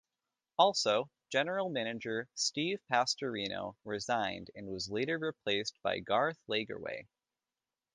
Also, general manager Steve Pastorino resigned and was later replaced by Garth Lagerwey.